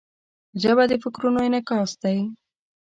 ژبه د فکرونو انعکاس دی